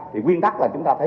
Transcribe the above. thì quyên tắc là chúng ta thấy